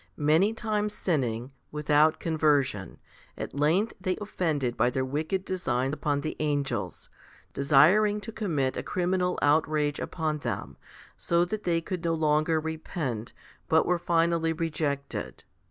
Many times sinning, without conversion, at length they offended by their wicked design upon the angels, desiring to commit a criminal outrage upon them, so that they could no longer repent, but were finally rejected.